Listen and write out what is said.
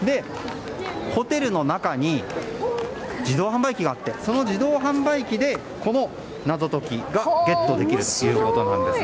ホテルの中に自動販売機があってその自動販売機でこの謎解きがゲットできるということなんです。